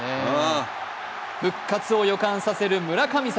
復活を予感させる村神様。